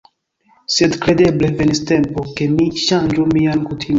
Sed kredeble venis tempo, ke mi ŝanĝu mian kutimon.